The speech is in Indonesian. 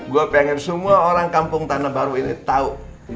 gue pengen semua orang kampung tanah baru ini tahu